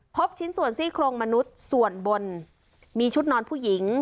ชิ้นส่วนซี่โครงมนุษย์ส่วนบนมีชุดนอนผู้หญิง